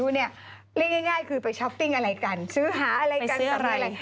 เรียกง่ายคือไปช้อปปิ้งอะไรกันซื้อหาอะไรกันอะไร